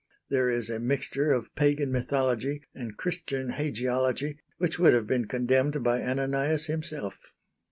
There is a mixture of Pagan mythology and Christian hagiology which would have been condemned by Ananias himself.